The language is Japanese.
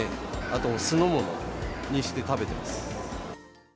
あと酢の物にして食べてます。